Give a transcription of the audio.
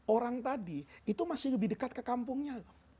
orang tadi itu masih lebih dekat ke kampungnya